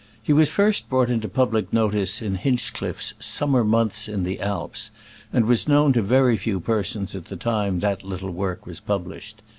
He was first brought into public notice in H inch cliff 's Summer Months in the Alps, and was known to very few persons at the time that little work was published.